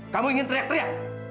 kamu ingin teriak teriak